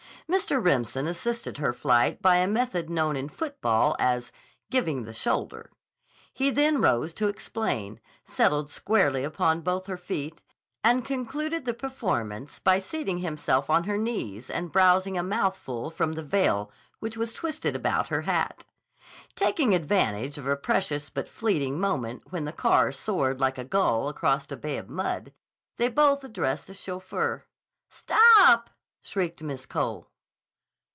Mr. Remsen assisted her flight by a method known in football as "giving the shoulder." He then rose to explain, settled squarely upon both her feet, and concluded the performance by seating himself on her knees and browsing a mouthful from the veil which was twisted about her hat. Taking advantage of a precious but fleeting moment when the car soared like a gull across a bay of mud, they both addressed the chauffeur. "Stop!" shrieked Miss Cole.